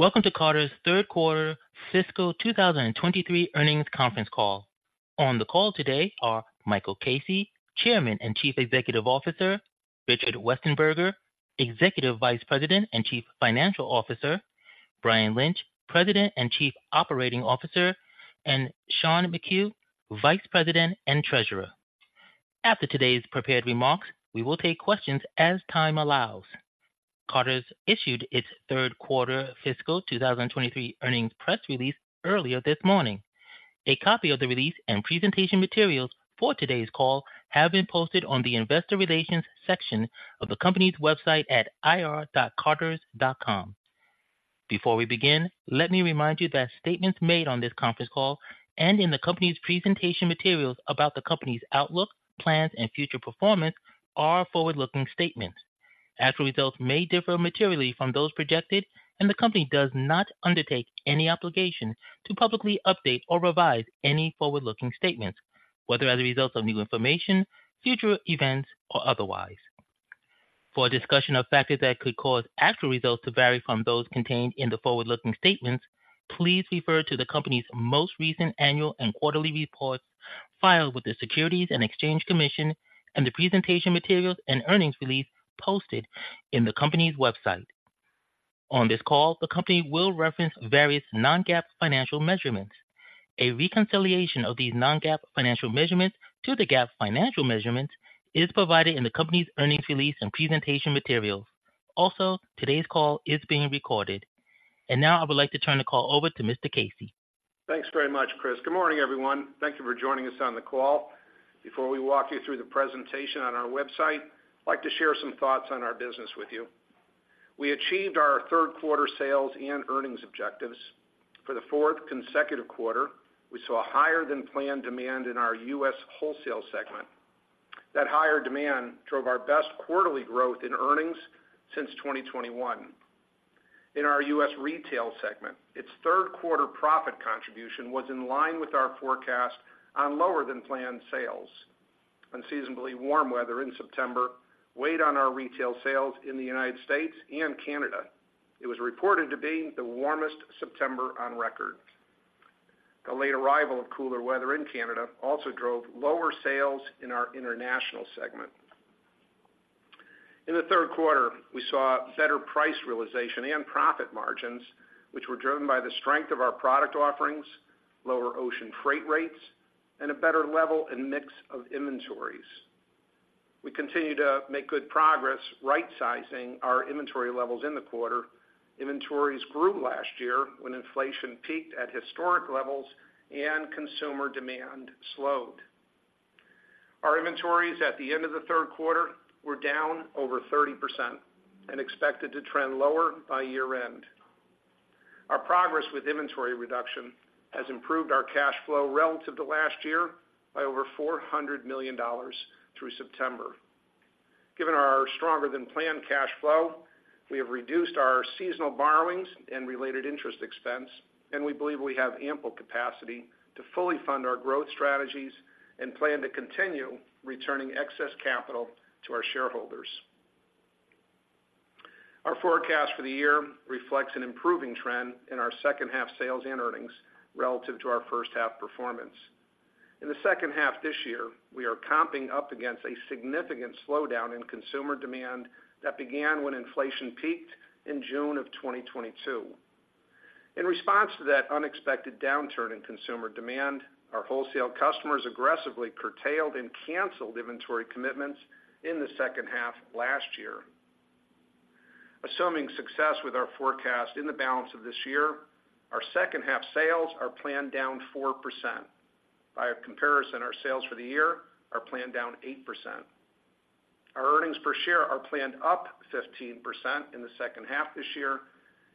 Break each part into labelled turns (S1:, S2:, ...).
S1: Welcome to Carter's Third Quarter Fiscal 2023 earnings conference call. On the call today are Michael Casey, Chairman and Chief Executive Officer, Richard Westenberger, Executive Vice President and Chief Financial Officer, Brian Lynch, President and Chief Operating Officer, and Sean McHugh, Vice President and Treasurer. After today's prepared remarks, we will take questions as time allows. Carter's issued its third quarter fiscal 2023 earnings press release earlier this morning. A copy of the release and presentation materials for today's call have been posted on the investor relations section of the company's website at ir.carters.com. Before we begin, let me remind you that statements made on this conference call and in the company's presentation materials about the company's outlook, plans, and future performance are forward-looking statements. Actual results may differ materially from those projected, and the company does not undertake any obligation to publicly update or revise any forward-looking statements, whether as a result of new information, future events, or otherwise. For a discussion of factors that could cause actual results to vary from those contained in the forward-looking statements, please refer to the company's most recent annual and quarterly reports filed with the Securities and Exchange Commission and the presentation materials and earnings release posted in the company's website. On this call, the company will reference various non-GAAP financial measurements. A reconciliation of these non-GAAP financial measurements to the GAAP financial measurements is provided in the company's earnings release and presentation materials. Also, today's call is being recorded. And now I would like to turn the call over to Mr. Casey.
S2: Thanks very much, Chris. Good morning, everyone. Thank you for joining us on the call. Before we walk you through the presentation on our website, I'd like to share some thoughts on our business with you. We achieved our third quarter sales and earnings objectives. For the fourth consecutive quarter, we saw higher than planned demand in our U.S. wholesale segment. That higher demand drove our best quarterly growth in earnings since 2021. In our U.S. retail segment, its third quarter profit contribution was in line with our forecast on lower than planned sales. Unseasonably warm weather in September weighed on our retail sales in the United States and Canada. It was reported to be the warmest September on record. The late arrival of cooler weather in Canada also drove lower sales in our international segment. In the third quarter, we saw better price realization and profit margins, which were driven by the strength of our product offerings, lower ocean freight rates, and a better level and mix of inventories. We continue to make good progress, rightsizing our inventory levels in the quarter. Inventories grew last year when inflation peaked at historic levels and consumer demand slowed. Our inventories at the end of the third quarter were down over 30% and expected to trend lower by year-end. Our progress with inventory reduction has improved our cash flow relative to last year by over $400 million through September. Given our stronger than planned cash flow, we have reduced our seasonal borrowings and related interest expense, and we believe we have ample capacity to fully fund our growth strategies and plan to continue returning excess capital to our shareholders. Our forecast for the year reflects an improving trend in our second half sales and earnings relative to our first half performance. In the second half this year, we are comping up against a significant slowdown in consumer demand that began when inflation peaked in June of 2022. In response to that unexpected downturn in consumer demand, our wholesale customers aggressively curtailed and canceled inventory commitments in the second half last year. Assuming success with our forecast in the balance of this year, our second half sales are planned down 4%. By comparison, our sales for the year are planned down 8%. Our earnings per share are planned up 15% in the second half this year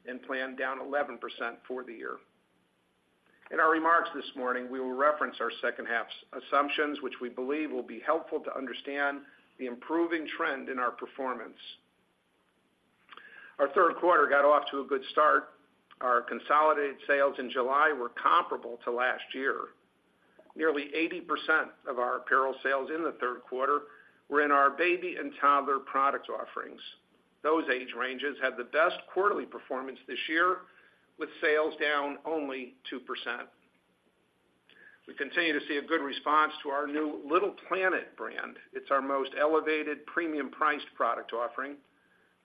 S2: and planned down 11% for the year. In our remarks this morning, we will reference our second half's assumptions, which we believe will be helpful to understand the improving trend in our performance. Our third quarter got off to a good start. Our consolidated sales in July were comparable to last year. Nearly 80% of our apparel sales in the third quarter were in our baby and toddler product offerings. Those age ranges had the best quarterly performance this year, with sales down only 2%. We continue to see a good response to our new Little Planet brand. It's our most elevated, premium-priced product offering.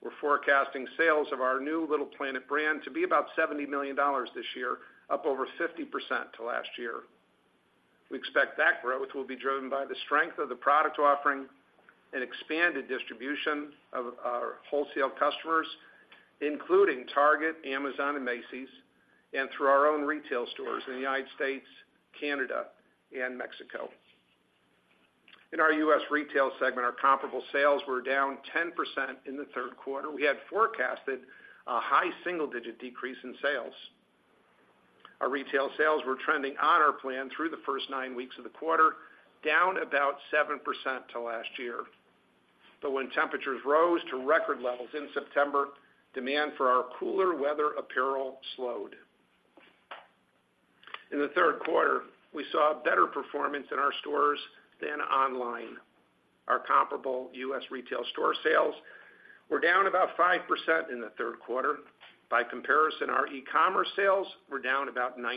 S2: We're forecasting sales of our new Little Planet brand to be about $70 million this year, up over 50% to last year. We expect that growth will be driven by the strength of the product offering and expanded distribution of our wholesale customers, including Target, Amazon, and Macy's, and through our own retail stores in the United States, Canada, and Mexico. In our U.S. retail segment, our comparable sales were down 10% in the third quarter. We had forecasted a high single-digit decrease in sales. Our retail sales were trending on our plan through the first nine weeks of the quarter, down about 7% to last year. But when temperatures rose to record levels in September, demand for our cooler weather apparel slowed. In the third quarter, we saw a better performance in our stores than online. Our comparable U.S. retail store sales were down about 5% in the third quarter. By comparison, our e-commerce sales were down about 19%,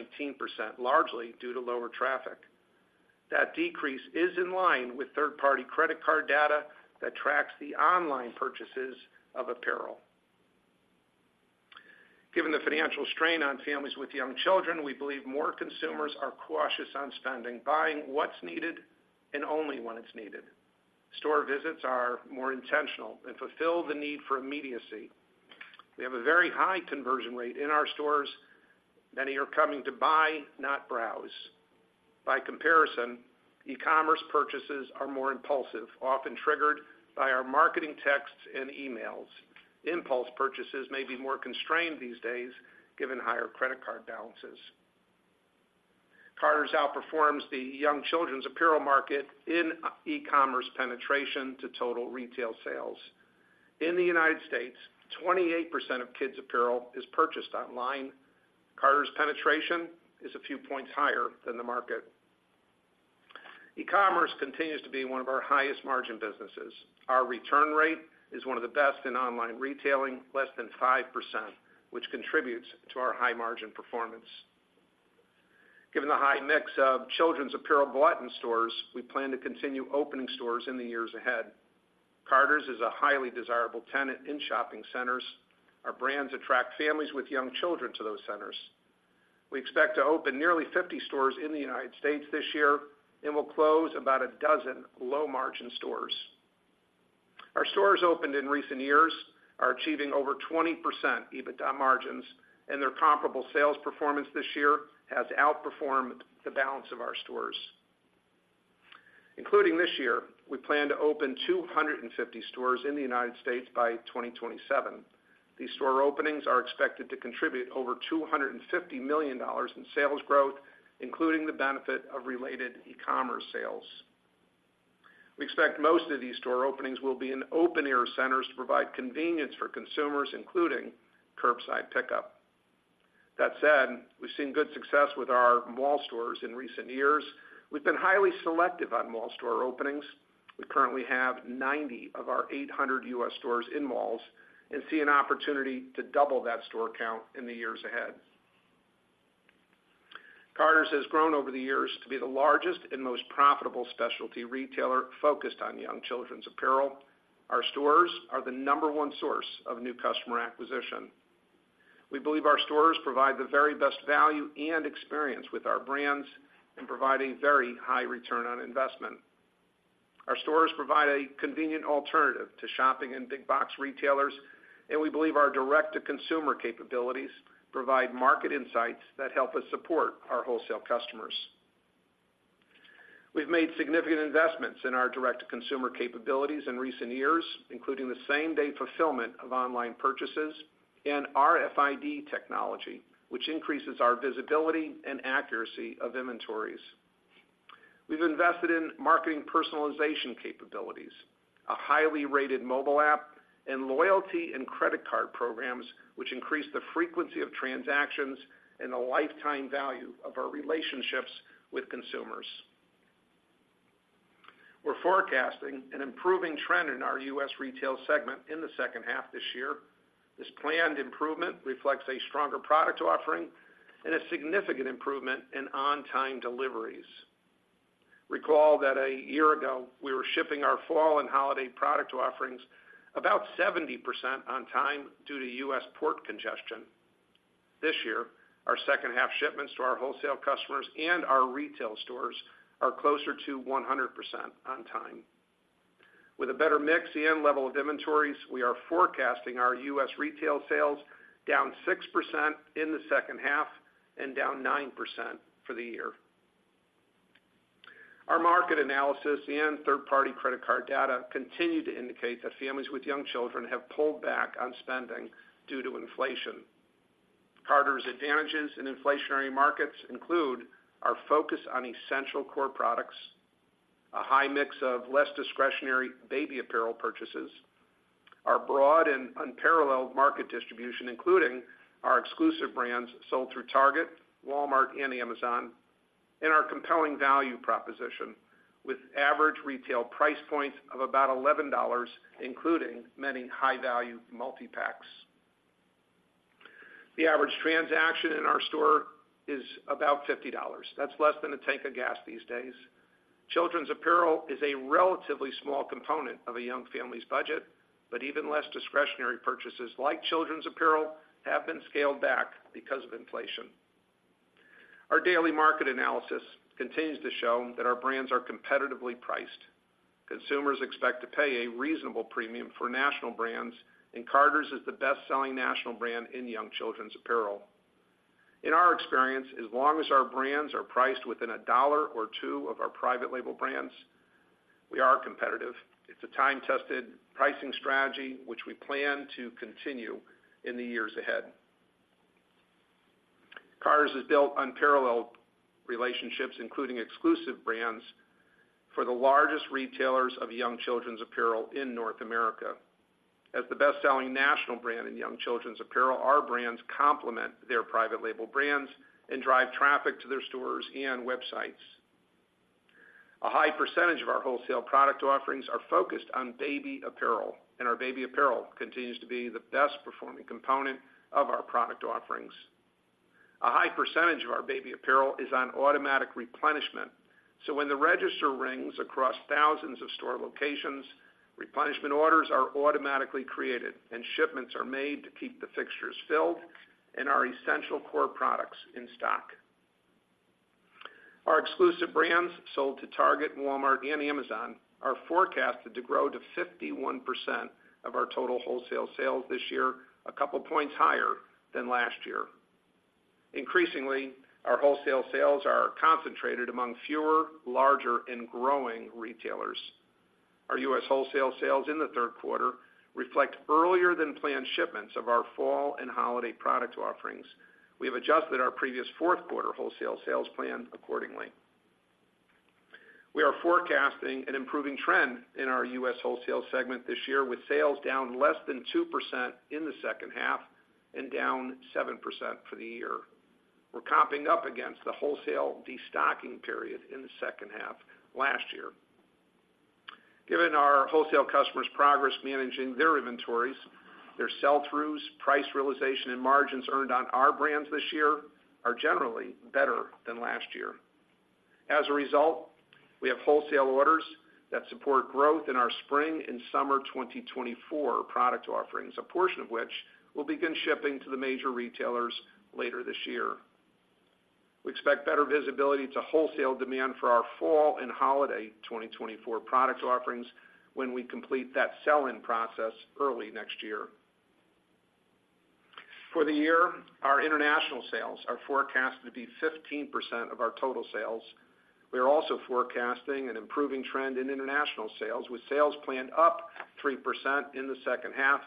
S2: largely due to lower traffic. That decrease is in line with third-party credit card data that tracks the online purchases of apparel. Given the financial strain on families with young children, we believe more consumers are cautious on spending, buying what's needed and only when it's needed. Store visits are more intentional and fulfill the need for immediacy. We have a very high conversion rate in our stores. Many are coming to buy, not browse. By comparison, e-commerce purchases are more impulsive, often triggered by our marketing texts and emails. Impulse purchases may be more constrained these days, given higher credit card balances. Carter's outperforms the young children's apparel market in e-commerce penetration to total retail sales. In the United States, 28% of kids' apparel is purchased online. Carter's penetration is a few points higher than the market. E-commerce continues to be one of our highest margin businesses. Our return rate is one of the best in online retailing, less than 5%, which contributes to our high margin performance. Given the high mix of children's apparel bought in stores, we plan to continue opening stores in the years ahead. Carter's is a highly desirable tenant in shopping centers. Our brands attract families with young children to those centers. We expect to open nearly 50 stores in the United States this year and will close about a dozen low-margin stores. Our stores opened in recent years are achieving over 20% EBITDA margins, and their comparable sales performance this year has outperformed the balance of our stores. Including this year, we plan to open 250 stores in the United States by 2027. These store openings are expected to contribute over $250 million in sales growth, including the benefit of related e-commerce sales. We expect most of these store openings will be in open-air centers to provide convenience for consumers, including curbside pickup. That said, we've seen good success with our mall stores in recent years. We've been highly selective on mall store openings. We currently have 90 of our 800 U.S. stores in malls and see an opportunity to double that store count in the years ahead. Carter's has grown over the years to be the largest and most profitable specialty retailer focused on young children's apparel. Our stores are the number one source of new customer acquisition. We believe our stores provide the very best value and experience with our brands in providing very high return on investment. Our stores provide a convenient alternative to shopping in big box retailers, and we believe our direct-to-consumer capabilities provide market insights that help us support our wholesale customers. We've made significant investments in our direct-to-consumer capabilities in recent years, including the same-day fulfillment of online purchases and RFID technology, which increases our visibility and accuracy of inventories. We've invested in marketing personalization capabilities, a highly rated mobile app, and loyalty and credit card programs, which increase the frequency of transactions and the lifetime value of our relationships with consumers. We're forecasting an improving trend in our U.S. retail segment in the second half this year. This planned improvement reflects a stronger product offering and a significant improvement in on-time deliveries. Recall that a year ago, we were shipping our fall and holiday product offerings about 70% on time due to U.S. port congestion. This year, our second half shipments to our wholesale customers and our retail stores are closer to 100% on time. With a better mix and level of inventories, we are forecasting our U.S. retail sales down 6% in the second half and down 9% for the year. Our market analysis and third-party credit card data continue to indicate that families with young children have pulled back on spending due to inflation. Carter's advantages in inflationary markets include our focus on essential core products, a high mix of less discretionary baby apparel purchases, our broad and unparalleled market distribution, including our exclusive brands sold through Target, Walmart, and Amazon, and our compelling value proposition, with average retail price points of about $11, including many high-value multi-packs. The average transaction in our store is about $50. That's less than a tank of gas these days. Children's apparel is a relatively small component of a young family's budget, but even less discretionary purchases like children's apparel have been scaled back because of inflation. Our daily market analysis continues to show that our brands are competitively priced. Consumers expect to pay a reasonable premium for national brands, and Carter's is the best-selling national brand in young children's apparel. In our experience, as long as our brands are priced within a dollar or two of our private label brands, we are competitive. It's a time-tested pricing strategy, which we plan to continue in the years ahead. Carter's has built unparalleled relationships, including exclusive brands, for the largest retailers of young children's apparel in North America. As the best-selling national brand in young children's apparel, our brands complement their private label brands and drive traffic to their stores and websites. A high percentage of our wholesale product offerings are focused on baby apparel, and our baby apparel continues to be the best-performing component of our product offerings. A high percentage of our baby apparel is on automatic replenishment, so when the register rings across thousands of store locations, replenishment orders are automatically created, and shipments are made to keep the fixtures filled and our essential core products in stock. Our exclusive brands, sold to Target, Walmart and Amazon, are forecasted to grow to 51% of our total wholesale sales this year, a couple points higher than last year. Increasingly, our wholesale sales are concentrated among fewer, larger, and growing retailers. Our U.S. wholesale sales in the third quarter reflect earlier than planned shipments of our fall and holiday product offerings. We have adjusted our previous fourth quarter wholesale sales plan accordingly. We are forecasting an improving trend in our U.S. wholesale segment this year, with sales down less than 2% in the second half and down 7% for the year. We're comping up against the wholesale destocking period in the second half last year. Given our wholesale customers' progress managing their inventories, their sell-throughs, price realization, and margins earned on our brands this year are generally better than last year. As a result, we have wholesale orders that support growth in our spring and summer 2024 product offerings, a portion of which will begin shipping to the major retailers later this year. We expect better visibility to wholesale demand for our fall and holiday 2024 product offerings when we complete that sell-in process early next year. For the year, our international sales are forecasted to be 15% of our total sales. We are also forecasting an improving trend in international sales, with sales planned up 3% in the second half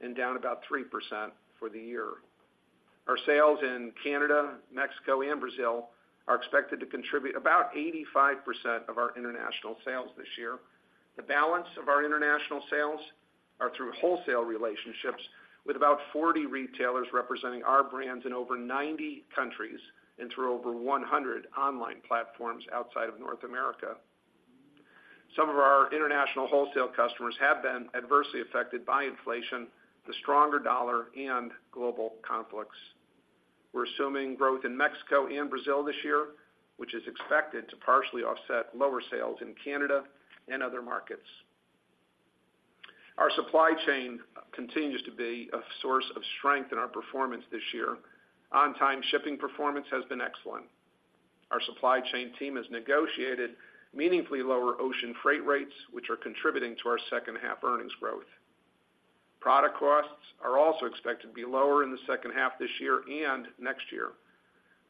S2: and down about 3% for the year. Our sales in Canada, Mexico, and Brazil are expected to contribute about 85% of our international sales this year. The balance of our international sales are through wholesale relationships, with about 40 retailers representing our brands in over 90 countries and through over 100 online platforms outside of North America. Some of our international wholesale customers have been adversely affected by inflation, the stronger dollar, and global conflicts. We're assuming growth in Mexico and Brazil this year, which is expected to partially offset lower sales in Canada and other markets. Our supply chain continues to be a source of strength in our performance this year. On-time shipping performance has been excellent. Our supply chain team has negotiated meaningfully lower ocean freight rates, which are contributing to our second half earnings growth. Product costs are also expected to be lower in the second half this year and next year.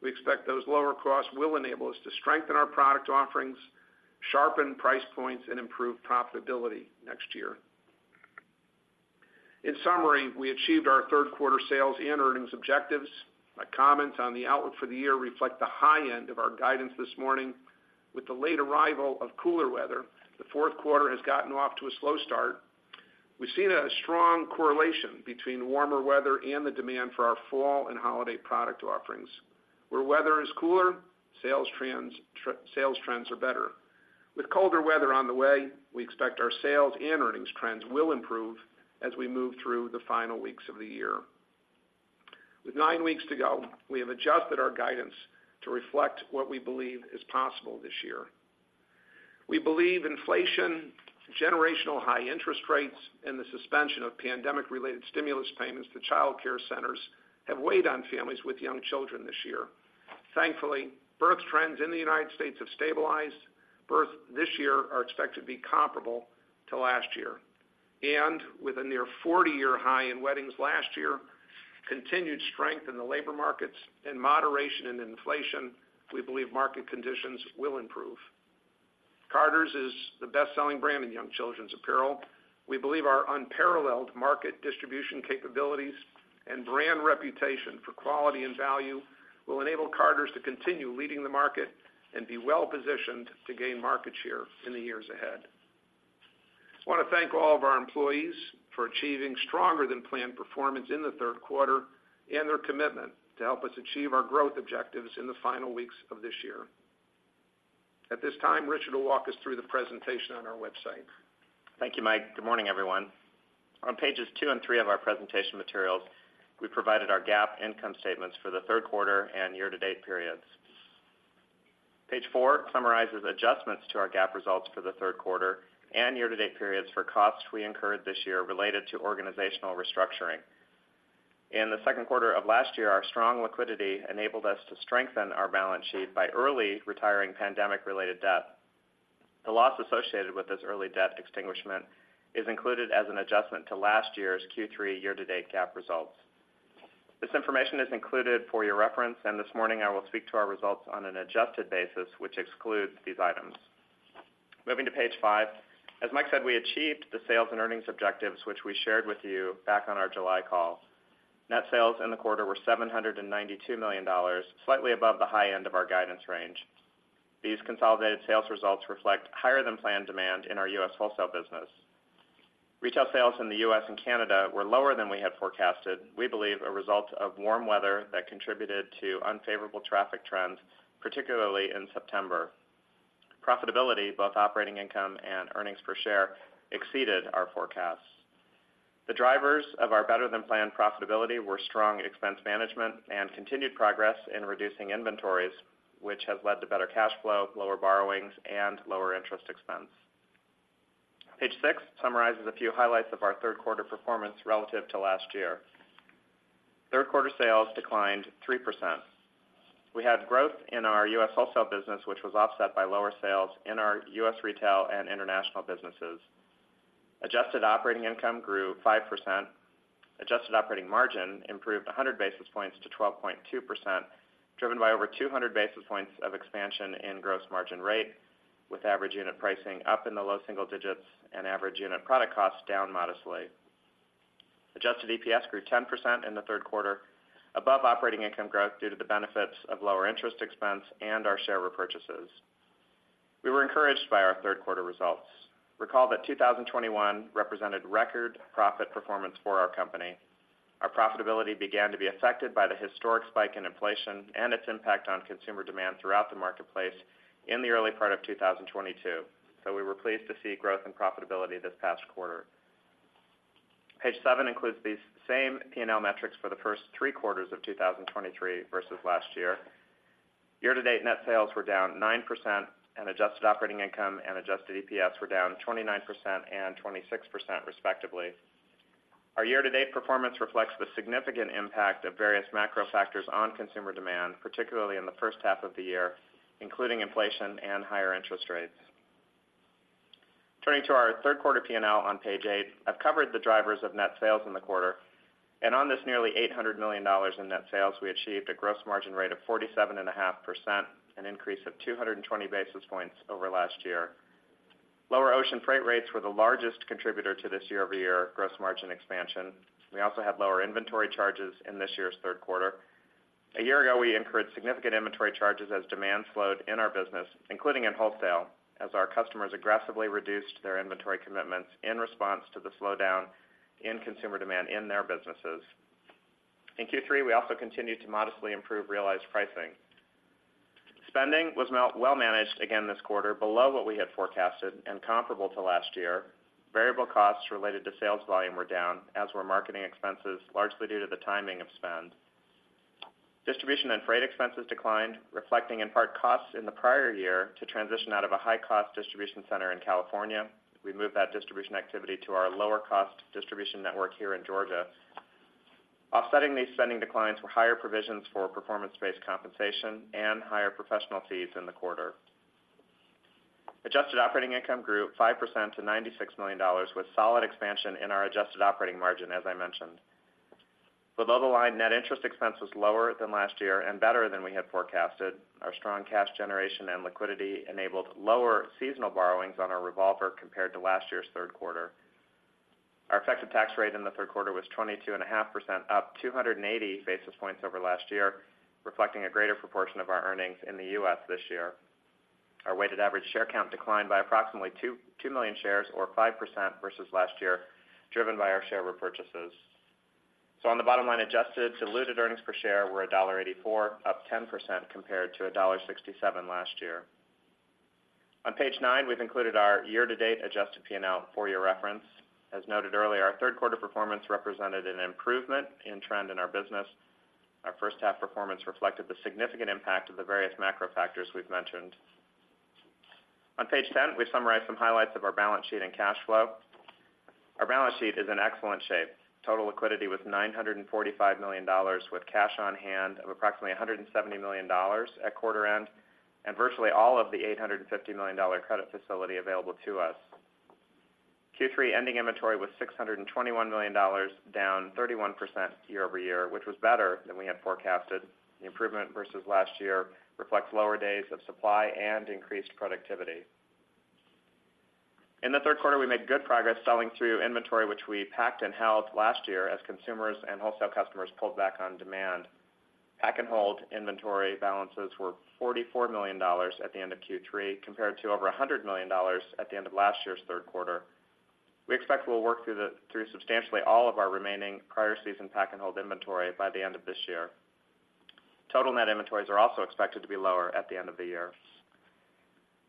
S2: We expect those lower costs will enable us to strengthen our product offerings, sharpen price points, and improve profitability next year. In summary, we achieved our third quarter sales and earnings objectives. My comments on the outlook for the year reflect the high end of our guidance this morning. With the late arrival of cooler weather, the fourth quarter has gotten off to a slow start. We've seen a strong correlation between warmer weather and the demand for our fall and holiday product offerings. Where weather is cooler, sales trends are better. With colder weather on the way, we expect our sales and earnings trends will improve as we move through the final weeks of the year. With nine weeks to go, we have adjusted our guidance to reflect what we believe is possible this year. We believe inflation, generational high interest rates, and the suspension of pandemic-related stimulus payments to childcare centers have weighed on families with young children this year. Thankfully, birth trends in the United States have stabilized. Births this year are expected to be comparable to last year, and with a near 40-year high in weddings last year, continued strength in the labor markets and moderation in inflation, we believe market conditions will improve. Carter's is the best-selling brand in young children's apparel. We believe our unparalleled market distribution capabilities and brand reputation for quality and value will enable Carter's to continue leading the market and be well-positioned to gain market share in the years ahead. I want to thank all of our employees for achieving stronger than planned performance in the third quarter and their commitment to help us achieve our growth objectives in the final weeks of this year. At this time, Richard will walk us through the presentation on our website.
S3: Thank you, Mike. Good morning, everyone. On pages two and three of our presentation materials, we provided our GAAP income statements for the third quarter and year-to-date periods. Page four summarizes adjustments to our GAAP results for the third quarter and year-to-date periods for costs we incurred this year related to organizational restructuring. In the second quarter of last year, our strong liquidity enabled us to strengthen our balance sheet by early retiring pandemic-related debt. The loss associated with this early debt extinguishment is included as an adjustment to last year's Q3 year-to-date GAAP results. This information is included for your reference, and this morning, I will speak to our results on an adjusted basis, which excludes these items. Moving to page five, as Mike said, we achieved the sales and earnings objectives, which we shared with you back on our July call. Net sales in the quarter were $792 million, slightly above the high end of our guidance range. These consolidated sales results reflect higher than planned demand in our U.S. wholesale business. Retail sales in the U.S. and Canada were lower than we had forecasted, we believe, a result of warm weather that contributed to unfavorable traffic trends, particularly in September. Profitability, both operating income and earnings per share, exceeded our forecasts. The drivers of our better-than-planned profitability were strong expense management and continued progress in reducing inventories, which has led to better cash flow, lower borrowings, and lower interest expense. Page six summarizes a few highlights of our third quarter performance relative to last year. Third quarter sales declined 3%. We had growth in our U.S. wholesale business, which was offset by lower sales in our U.S. retail and international businesses. Adjusted operating income grew 5%. Adjusted operating margin improved 100 basis points to 12.2%, driven by over 200 basis points of expansion in gross margin rate, with average unit pricing up in the low single digits and average unit product costs down modestly. Adjusted EPS grew 10% in the third quarter, above operating income growth due to the benefits of lower interest expense and our share repurchases. We were encouraged by our third quarter results. Recall that 2021 represented record profit performance for our company. Our profitability began to be affected by the historic spike in inflation and its impact on consumer demand throughout the marketplace in the early part of 2022, so we were pleased to see growth and profitability this past quarter. Page seven includes these same P&L metrics for the first three quarters of 2023 versus last year. Year-to-date net sales were down 9%, and adjusted operating income and adjusted EPS were down 29% and 26%, respectively. Our year-to-date performance reflects the significant impact of various macro factors on consumer demand, particularly in the first half of the year, including inflation and higher interest rates. Turning to our third quarter P&L on page eight, I've covered the drivers of net sales in the quarter, and on this nearly $800 million in net sales, we achieved a gross margin rate of 47.5%, an increase of 220 basis points over last year. Lower ocean freight rates were the largest contributor to this year-over-year gross margin expansion. We also had lower inventory charges in this year's third quarter. A year ago, we incurred significant inventory charges as demand slowed in our business, including in wholesale, as our customers aggressively reduced their inventory commitments in response to the slowdown in consumer demand in their businesses. In Q3, we also continued to modestly improve realized pricing. Spending was well managed again this quarter, below what we had forecasted and comparable to last year. Variable costs related to sales volume were down, as were marketing expenses, largely due to the timing of spend. Distribution and freight expenses declined, reflecting in part costs in the prior year to transition out of a high-cost distribution center in California. We moved that distribution activity to our lower-cost distribution network here in Georgia. Offsetting these spending declines were higher provisions for performance-based compensation and higher professional fees in the quarter. Adjusted operating income grew 5% to $96 million, with solid expansion in our adjusted operating margin, as I mentioned. Below the line, net interest expense was lower than last year and better than we had forecasted. Our strong cash generation and liquidity enabled lower seasonal borrowings on our revolver compared to last year's third quarter. Our effective tax rate in the third quarter was 22.5%, up 280 basis points over last year, reflecting a greater proportion of our earnings in the U.S. this year. Our weighted average share count declined by approximately 2.2 million shares or 5% versus last year, driven by our share repurchases. So on the bottom line, adjusted diluted earnings per share were $1.84, up 10% compared to $1.67 last year. On page nine, we've included our year-to-date adjusted P&L for your reference. As noted earlier, our third quarter performance represented an improvement in trend in our business. Our first half performance reflected the significant impact of the various macro factors we've mentioned. On page ten, we summarize some highlights of our balance sheet and cash flow. Our balance sheet is in excellent shape. Total liquidity was $945 million, with cash on hand of approximately $170 million at quarter end, and virtually all of the $850 million dollar credit facility available to us. Q3 ending inventory was $621 million, down 31% year-over-year, which was better than we had forecasted. The improvement versus last year reflects lower days of supply and increased productivity. In the third quarter, we made good progress selling through inventory, which we packed and held last year as consumers and wholesale customers pulled back on demand. Pack-and-hold inventory balances were $44 million at the end of Q3, compared to over $100 million at the end of last year's third quarter. We expect we'll work through through substantially all of our remaining prior season pack-and-hold inventory by the end of this year. Total net inventories are also expected to be lower at the end of the year.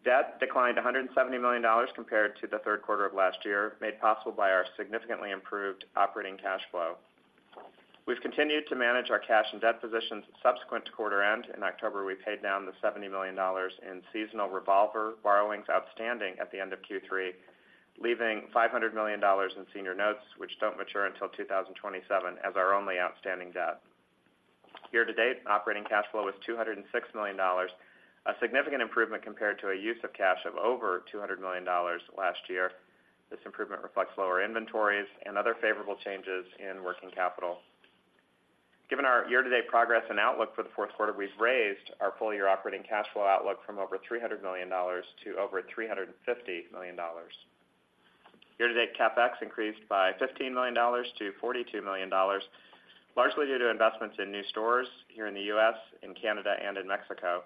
S3: Debt declined $170 million compared to the third quarter of last year, made possible by our significantly improved operating cash flow. We've continued to manage our cash and debt positions subsequent to quarter end. In October, we paid down the $70 million in seasonal revolver borrowings outstanding at the end of Q3, leaving $500 million in senior notes, which don't mature until 2027 as our only outstanding debt. Year-to-date, operating cash flow was $206 million, a significant improvement compared to a use of cash of over $200 million last year. This improvement reflects lower inventories and other favorable changes in working capital. Given our year-to-date progress and outlook for the fourth quarter, we've raised our full-year operating cash flow outlook from over $300 million to over $350 million. Year-to-date, CapEx increased by $15 million to $42 million, largely due to investments in new stores here in the U.S., in Canada and in Mexico.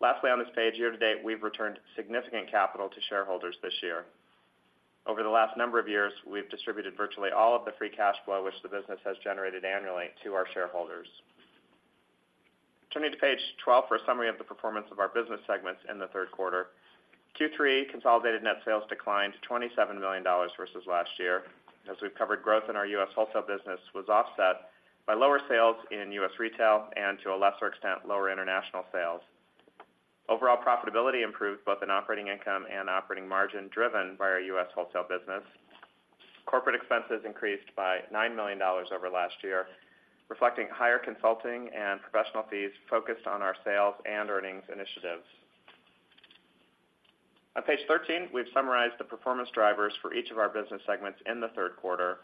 S3: Lastly, on this page, year-to-date, we've returned significant capital to shareholders this year. Over the last number of years, we've distributed virtually all of the free cash flow, which the business has generated annually to our shareholders. Turning to page 12 for a summary of the performance of our business segments in the third quarter. Q3 consolidated net sales declined to $27 million versus last year, as we've covered, growth in our U.S. wholesale business was offset by lower sales in U.S. retail and, to a lesser extent, lower international sales. Overall profitability improved both in operating income and operating margin, driven by our U.S. wholesale business. Corporate expenses increased by $9 million over last year, reflecting higher consulting and professional fees focused on our sales and earnings initiatives. On page 13, we've summarized the performance drivers for each of our business segments in the third quarter.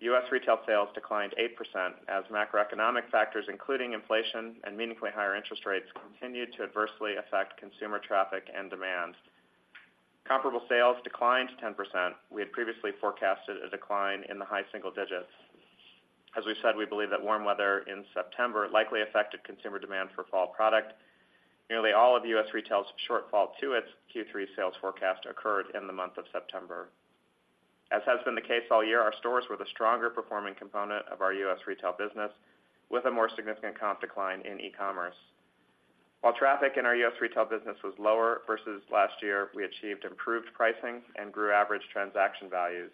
S3: U.S. retail sales declined 8% as macroeconomic factors, including inflation and meaningfully higher interest rates, continued to adversely affect consumer traffic and demand. Comparable sales declined 10%. We had previously forecasted a decline in the high single digits. As we've said, we believe that warm weather in September likely affected consumer demand for fall product. Nearly all of U.S. retail's shortfall to its Q3 sales forecast occurred in the month of September. As has been the case all year, our stores were the stronger performing component of our U.S. retail business, with a more significant comp decline in e-commerce. While traffic in our U.S. retail business was lower versus last year, we achieved improved pricing and grew average transaction values.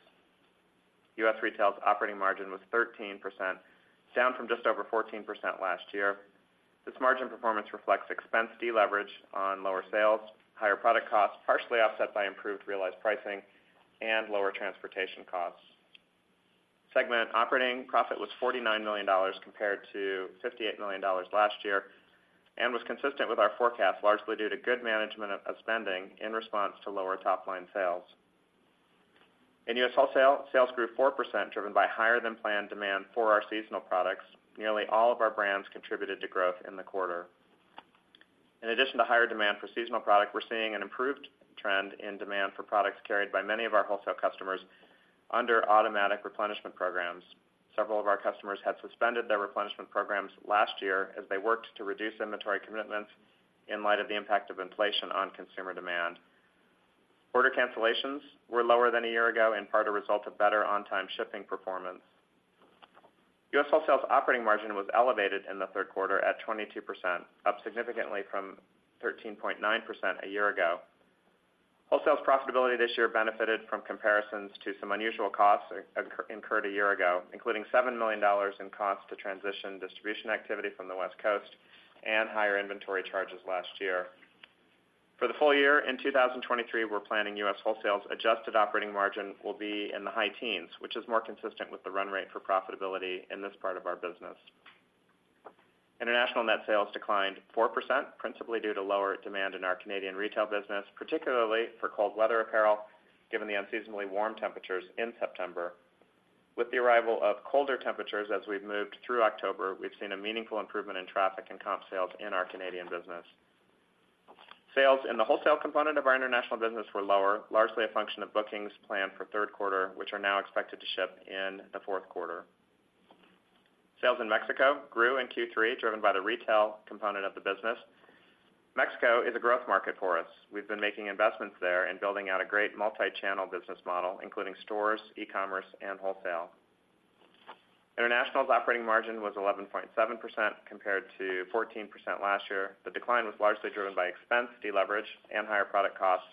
S3: U.S. retail's operating margin was 13%, down from just over 14% last year. This margin performance reflects expense deleverage on lower sales, higher product costs, partially offset by improved realized pricing and lower transportation costs. Segment operating profit was $49 million compared to $58 million last year, and was consistent with our forecast, largely due to good management of spending in response to lower top-line sales. In U.S. wholesale, sales grew 4%, driven by higher-than-planned demand for our seasonal products. Nearly all of our brands contributed to growth in the quarter. In addition to higher demand for seasonal product, we're seeing an improved trend in demand for products carried by many of our wholesale customers under automatic replenishment programs. Several of our customers had suspended their replenishment programs last year as they worked to reduce inventory commitments in light of the impact of inflation on consumer demand. Order cancellations were lower than a year ago, in part a result of better on-time shipping performance. U.S. wholesale's operating margin was elevated in the third quarter at 22%, up significantly from 13.9% a year ago. Wholesale's profitability this year benefited from comparisons to some unusual costs incurred a year ago, including $7 million in costs to transition distribution activity from the West Coast and higher inventory charges last year. For the full year, in 2023, we're planning U.S. wholesale's adjusted operating margin will be in the high teens, which is more consistent with the run rate for profitability in this part of our business. International net sales declined 4%, principally due to lower demand in our Canadian retail business, particularly for cold weather apparel, given the unseasonably warm temperatures in September. With the arrival of colder temperatures as we've moved through October, we've seen a meaningful improvement in traffic and comp sales in our Canadian business. Sales in the wholesale component of our international business were lower, largely a function of bookings planned for third quarter, which are now expected to ship in the fourth quarter. Sales in Mexico grew in Q3, driven by the retail component of the business. Mexico is a growth market for us. We've been making investments there and building out a great multi-channel business model, including stores, e-commerce, and wholesale. International's operating margin was 11.7%, compared to 14% last year. The decline was largely driven by expense deleverage and higher product costs,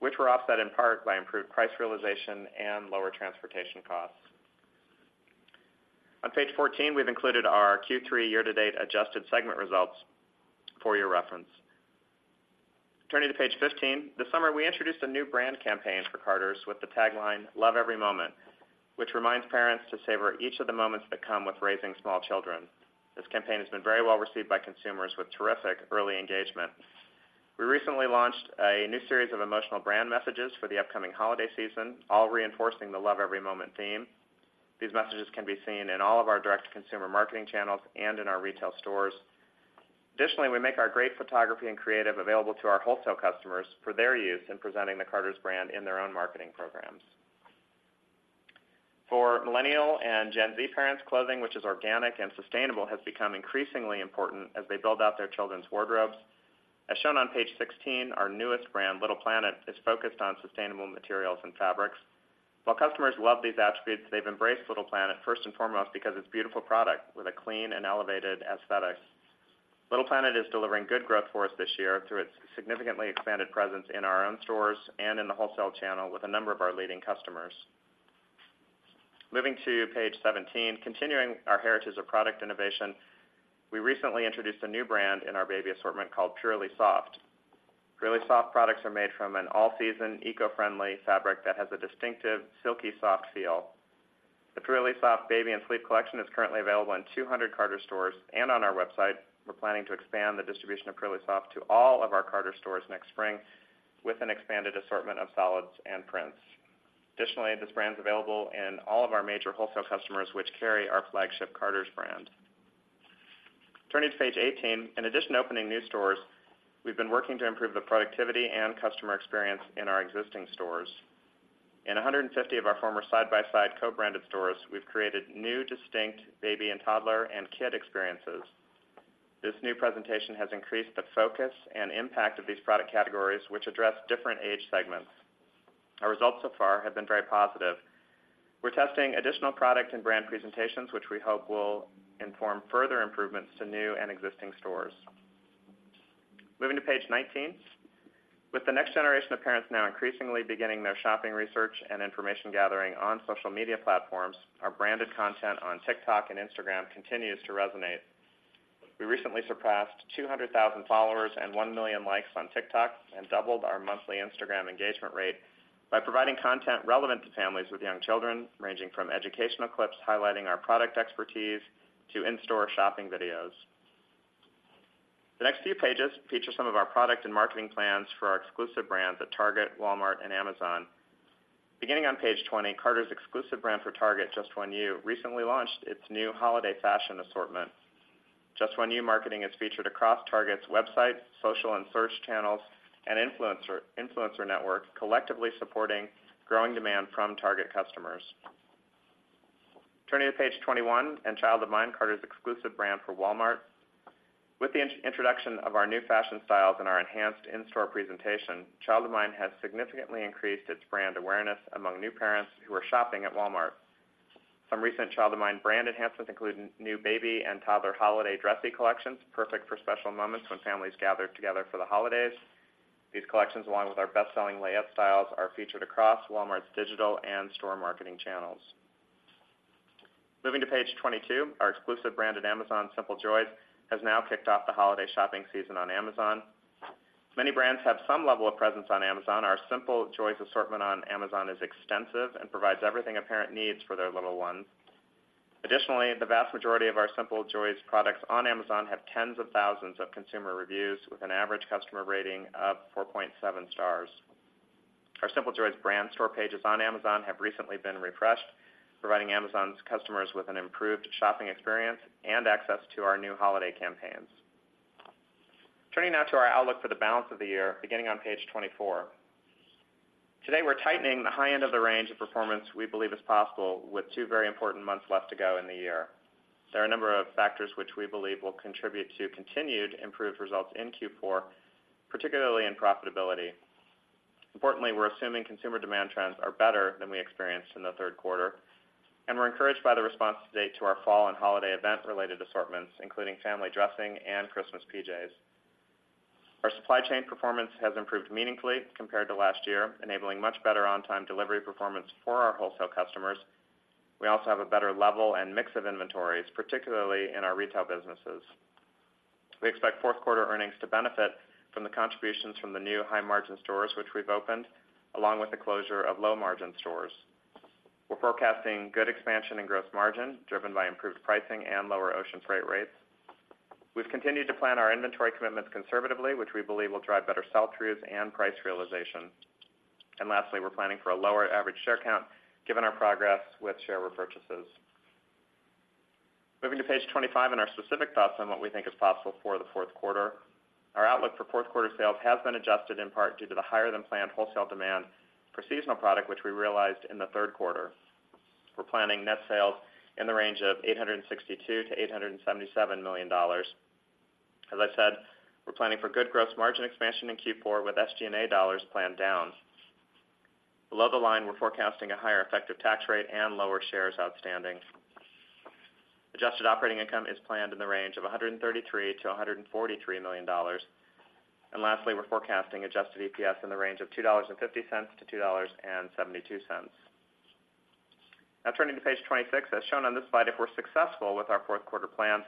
S3: which were offset in part by improved price realization and lower transportation costs. On page 14, we've included our Q3 year-to-date adjusted segment results for your reference. Turning to page 15, this summer, we introduced a new brand campaign for Carter's with the tagline, "Love Every Moment," which reminds parents to savor each of the moments that come with raising small children. This campaign has been very well received by consumers with terrific early engagement. We recently launched a new series of emotional brand messages for the upcoming holiday season, all reinforcing the Love Every Moment theme. These messages can be seen in all of our direct-to-consumer marketing channels and in our retail stores. Additionally, we make our great photography and creative available to our wholesale customers for their use in presenting the Carter's brand in their own marketing programs. For Millennial and Gen-Z parents, clothing, which is organic and sustainable, has become increasingly important as they build out their children's wardrobes. As shown on page 16, our newest brand, Little Planet, is focused on sustainable materials and fabrics. While customers love these attributes, they've embraced Little Planet first and foremost because it's beautiful product with a clean and elevated aesthetics. Little Planet is delivering good growth for us this year through its significantly expanded presence in our own stores and in the wholesale channel with a number of our leading customers. Moving to page 17, continuing our heritage of product innovation, we recently introduced a new brand in our baby assortment called Purely Soft. Purely Soft products are made from an all-season, eco-friendly fabric that has a distinctive, silky soft feel. The Purely Soft baby and sleep collection is currently available in 200 Carter's stores and on our website. We're planning to expand the distribution of Purely Soft to all of our Carter's stores next spring, with an expanded assortment of solids and prints. Additionally, this brand's available in all of our major wholesale customers, which carry our flagship Carter's brand. Turning to page 18. In addition to opening new stores, we've been working to improve the productivity and customer experience in our existing stores. In 150 of our former side-by-side co-branded stores, we've created new, distinct baby and toddler, and kid experiences. This new presentation has increased the focus and impact of these product categories, which address different age segments. Our results so far have been very positive. We're testing additional product and brand presentations, which we hope will inform further improvements to new and existing stores. Moving to page 19. With the next generation of parents now increasingly beginning their shopping research and information gathering on social media platforms, our branded content on TikTok and Instagram continues to resonate. We recently surpassed 200,000 followers and 1 million likes on TikTok, and doubled our monthly Instagram engagement rate by providing content relevant to families with young children, ranging from educational clips highlighting our product expertise to in-store shopping videos. The next few pages feature some of our product and marketing plans for our exclusive brands at Target, Walmart, and Amazon. Beginning on page 20, Carter's exclusive brand for Target, Just One You, recently launched its new holiday fashion assortment. Just One You marketing is featured across Target's website, social and search channels, and influencer network, collectively supporting growing demand from Target customers. Turning to page 21, and Child of Mine, Carter's exclusive brand for Walmart. With the introduction of our new fashion styles and our enhanced in-store presentation, Child of Mine has significantly increased its brand awareness among new parents who are shopping at Walmart. Some recent Child of Mine brand enhancements include new baby and toddler holiday dressy collections, perfect for special moments when families gather together for the holidays. These collections, along with our best-selling layette styles, are featured across Walmart's digital and store marketing channels. Moving to page 22, our exclusive brand at Amazon, Simple Joys, has now kicked off the holiday shopping season on Amazon. Many brands have some level of presence on Amazon. Our Simple Joys assortment on Amazon is extensive and provides everything a parent needs for their little ones. Additionally, the vast majority of our Simple Joys products on Amazon have tens of thousands of consumer reviews, with an average customer rating of 4.7 stars. Our Simple Joys brand store pages on Amazon have recently been refreshed, providing Amazon's customers with an improved shopping experience and access to our new holiday campaigns. Turning now to our outlook for the balance of the year, beginning on page 24. Today, we're tightening the high end of the range of performance we believe is possible with two very important months left to go in the year. There are a number of factors which we believe will contribute to continued improved results in Q4, particularly in profitability. Importantly, we're assuming consumer demand trends are better than we experienced in the third quarter, and we're encouraged by the response to date to our fall and holiday event-related assortments, including family dressing and Christmas PJs. Our supply chain performance has improved meaningfully compared to last year, enabling much better on-time delivery performance for our wholesale customers. We also have a better level and mix of inventories, particularly in our retail businesses. We expect fourth quarter earnings to benefit from the contributions from the new high-margin stores, which we've opened, along with the closure of low-margin stores. We're forecasting good expansion in gross margin, driven by improved pricing and lower ocean freight rates. We've continued to plan our inventory commitments conservatively, which we believe will drive better sell-throughs and price realization. Lastly, we're planning for a lower average share count, given our progress with share repurchases. Moving to page 25, and our specific thoughts on what we think is possible for the fourth quarter. Our outlook for fourth quarter sales has been adjusted, in part due to the higher-than-planned wholesale demand for seasonal product, which we realized in the third quarter. We're planning net sales in the range of $862 million to $877 million. As I said, we're planning for good gross margin expansion in Q4, with SG&A dollars planned down. Below the line, we're forecasting a higher effective tax rate and lower shares outstanding. Adjusted operating income is planned in the range of $133 million to $143 million. And lastly, we're forecasting adjusted EPS in the range of $2.50 to $2.72. Now, turning to page 26. As shown on this slide, if we're successful with our fourth quarter plans,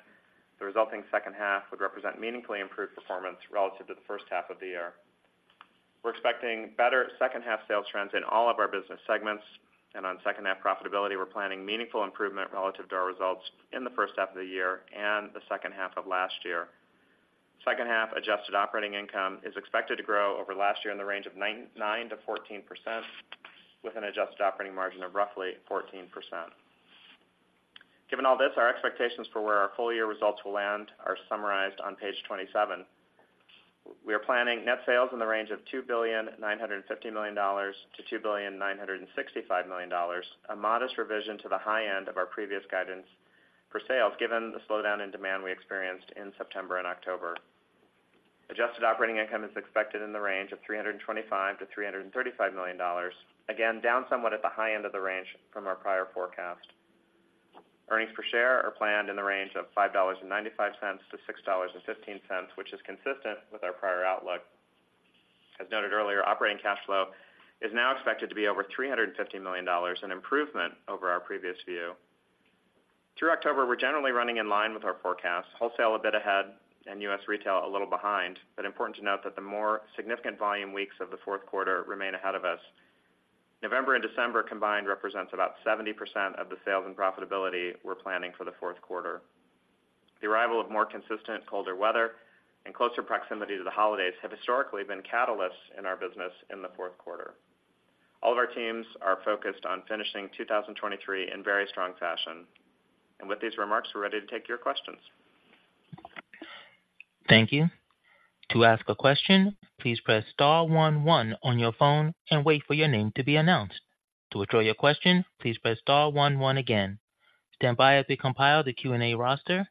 S3: the resulting second half would represent meaningfully improved performance relative to the first half of the year. We're expecting better second half sales trends in all of our business segments, and on second half profitability, we're planning meaningful improvement relative to our results in the first half of the year and the second half of last year. Second half adjusted operating income is expected to grow over last year in the range of 9%-14%, with an adjusted operating margin of roughly 14%. Given all this, our expectations for where our full year results will land are summarized on page 27. We are planning net sales in the range of $2.95 billion to $2.965 billion, a modest revision to the high end of our previous guidance for sales, given the slowdown in demand we experienced in September and October. Adjusted operating income is expected in the range of $325 million to $335 million, again, down somewhat at the high end of the range from our prior forecast. Earnings per share are planned in the range of $5.95 to $6.15, which is consistent with our prior outlook. As noted earlier, operating cash flow is now expected to be over $350 million, an improvement over our previous view. Through October, we're generally running in line with our forecast, wholesale a bit ahead and U.S. retail a little behind, but important to note that the more significant volume weeks of the fourth quarter remain ahead of us. November and December combined represents about 70% of the sales and profitability we're planning for the fourth quarter. The arrival of more consistent colder weather and closer proximity to the holidays have historically been catalysts in our business in the fourth quarter. All of our teams are focused on finishing 2023 in very strong fashion. With these remarks, we're ready to take your questions.
S1: Thank you. To ask a question, please press star one one on your phone and wait for your name to be announced. To withdraw your question, please press star one one again. Stand by as we compile the Q&A roster.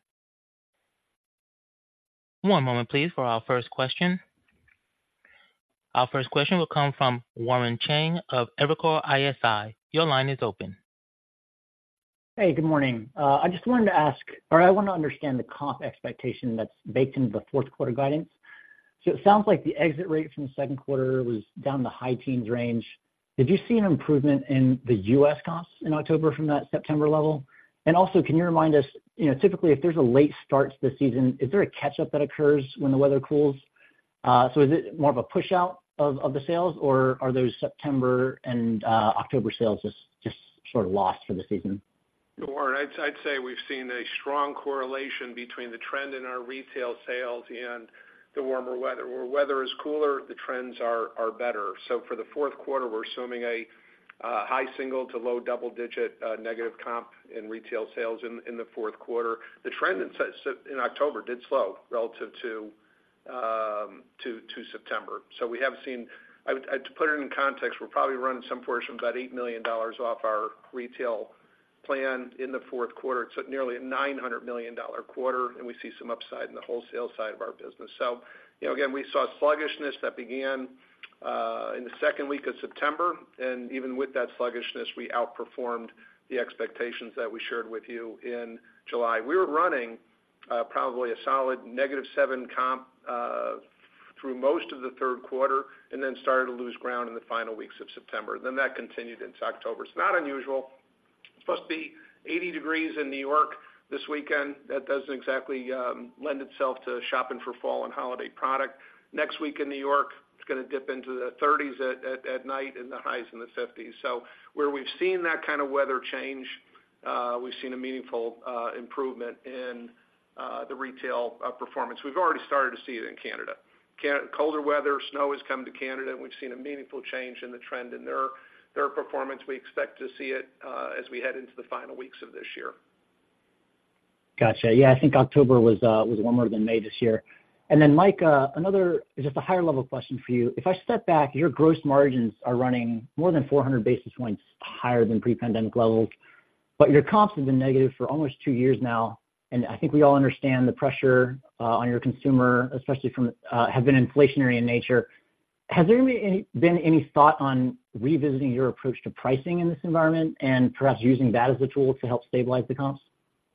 S1: One moment please, for our first question. Our first question will come from Warren Cheng of Evercore ISI. Your line is open.
S4: Hey, good morning. I just wanted to ask, or I want to understand the comp expectation that's baked into the fourth quarter guidance. So it sounds like the exit rate from the second quarter was down in the high teens range. Did you see an improvement in the U.S. comps in October from that September level? And also, can you remind us, you know, typically, if there's a late start to the season, is there a catch-up that occurs when the weather cools? So is it more of a push out of, of the sales, or are those September and October sales just, just sort of lost for the season?
S2: No, Warren, I'd say we've seen a strong correlation between the trend in our retail sales and the warmer weather. Where weather is cooler, the trends are better. So for the fourth quarter, we're assuming a high single- to low double-digit negative comp in retail sales in the fourth quarter. The trend in sales in October did slow relative to September. So, to put it in context, we're probably running some portion of about $8 million off our retail plan in the fourth quarter. It's nearly a $900 million quarter, and we see some upside in the wholesale side of our business. So, you know, again, we saw sluggishness that began in the second week of September, and even with that sluggishness, we outperformed the expectations that we shared with you in July. We were running probably a solid negative seven comp through most of the third quarter, and then started to lose ground in the final weeks of September. Then that continued into October. It's not unusual. It's supposed to be 80 degrees in New York this weekend. That doesn't exactly lend itself to shopping for fall and holiday product. Next week in New York, it's gonna dip into the 30s at night and the highs in the 50s. So where we've seen that kind of weather change, we've seen a meaningful improvement in the retail performance. We've already started to see it in Canada. Colder weather, snow has come to Canada, and we've seen a meaningful change in the trend in their performance. We expect to see it as we head into the final weeks of this year.
S4: Gotcha. Yeah, I think October was warmer than May this year. Then, Mike, another just a higher level question for you. If I step back, your gross margins are running more than 400 basis points higher than pre-pandemic levels, but your comps have been negative for almost two years now. And I think we all understand the pressure on your consumer, especially from have been inflationary in nature. Has there been any thought on revisiting your approach to pricing in this environment and perhaps using that as a tool to help stabilize the comps?